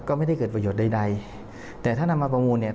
ก็ไม่ได้เกิดประโยชน์ใดใดแต่ถ้านำมาประมูลเนี่ย